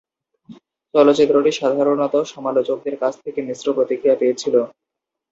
চলচ্চিত্রটি সাধারণত সমালোচকদের কাছ থেকে মিশ্র প্রতিক্রিয়া পেয়েছিল।